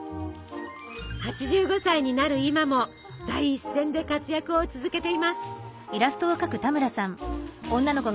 ８５歳になる今も第一線で活躍を続けています。